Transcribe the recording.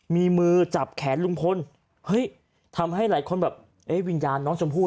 มีมือจับแขนลุงพลเฮ้ยทำให้หลายคนแบบเอ๊ะวิญญาณน้องชมพู่